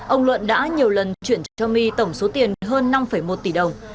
ông luận đã nhiều lần chuyển cho my tổng số tiền hơn năm một tỷ đồng